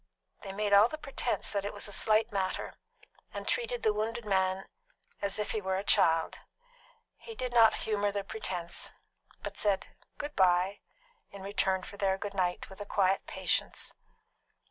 They all made the pretence that it was a slight matter, and treated the wounded man as if he were a child. He did not humour the pretence, but said "Good bye" in return for their "Good night" with a quiet patience. Mrs.